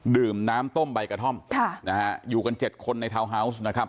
ดื่มน้ำต้มใบกระท่อมค่ะนะฮะอยู่กันเจ็ดคนในทาวน์ฮาวส์นะครับ